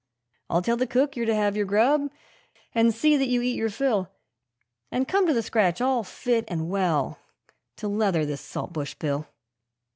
I'll tell the cook you're to have your grub, and see that you eat your fill, And come to the scratch all fit and well to leather this Saltbush Bill.'